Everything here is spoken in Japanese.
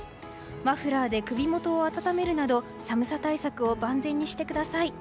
マフラーで首元を温めるなど寒さ対策を万全にしてください。